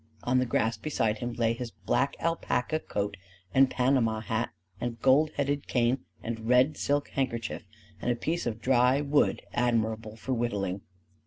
On the grass beside him lay his black alpaca coat and panama hat and gold headed cane and red silk handkerchief and a piece of dry wood admirable for whittling.